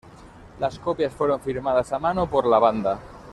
Las copias fueron firmadas a mano por la banda.